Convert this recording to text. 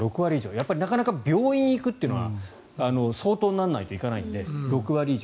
やっぱりなかなか病院に行くというのは相当にならないといかないので６割以上。